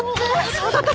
そうだった。